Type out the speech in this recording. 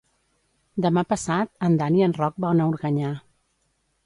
Demà passat en Dan i en Roc van a Organyà.